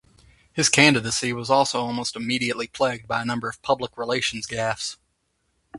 His candidacy was also almost immediately plagued by a number of public relations gaffes.